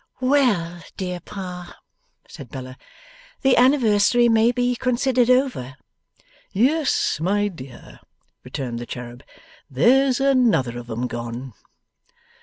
'Well, dear Pa,' said Bella, 'the anniversary may be considered over.' 'Yes, my dear,' returned the cherub, 'there's another of 'em gone.